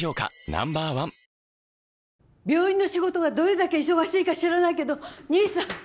ＮＯ．１病院の仕事がどれだけ忙しいか知らないけど兄さん